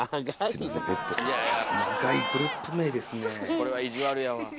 これは意地悪やわ。